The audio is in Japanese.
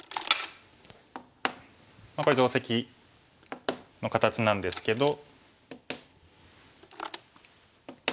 これ定石の形なんですけど。